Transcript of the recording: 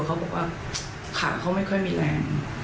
เขาบอกว่าขาเขาไม่ค่อยมีแรง